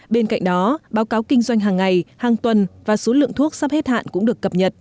bên cạnh đó báo cáo kinh doanh hàng ngày hàng tuần và số lượng thuốc sắp hết hạn cũng được cập nhật